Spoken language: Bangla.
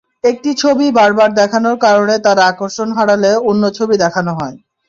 একটি ছবি বারবার দেখানোর কারণে তারা আকর্ষণ হারালে অন্য ছবি দেখানো হয়।